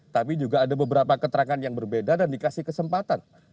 tapi juga ada beberapa keterangan yang berbeda dan dikasih kesempatan